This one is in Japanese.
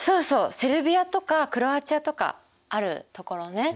セルビアとかクロアティアとかある所ね。